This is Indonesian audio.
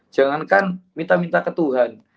jangan kan minta minta ke tuhan